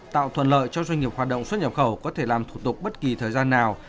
tạo thuận lợi cho doanh nghiệp hoạt động xuất nhập khẩu có thể làm thủ tục bất kỳ thời gian nào